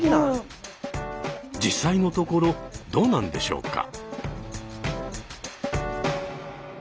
実際のところどうなんでしょうか。